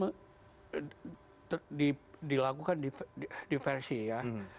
nah dilakukan diversi ya